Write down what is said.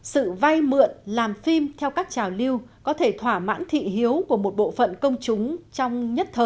sự vay mượn làm phim theo các trào lưu có thể thỏa mãn thị hiếu của một bộ phận công chúng